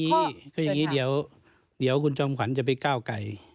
คืออย่างนี้เดี๋ยวคุณจอมขวัญจะไปก้าวไก่